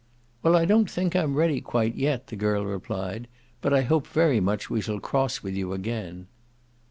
"Well, I don't think I'm ready quite yet," the girl replied. "But I hope very much we shall cross with you again."